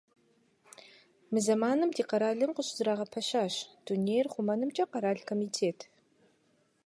Мы зэманым ди къэралым къыщызэрагъэпэщащ Дунейр хъумэнымкӀэ къэрал комитет.